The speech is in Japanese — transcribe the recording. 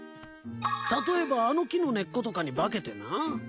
例えばあの木の根っことかに化けてな。